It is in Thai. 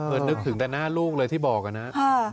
นึกถึงแต่หน้าลูกเลยที่บอกอะนะ